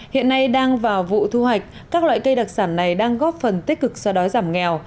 hiện nay đang vào vụ thu hoạch các loại cây đặc sản này đang góp phần tích cực so đói giảm nghèo